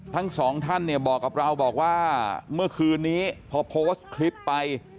ทั้งสองท่านเนี่ยบอกกับเราบอกว่าเมื่อคืนนี้พอโพสต์คลิปไป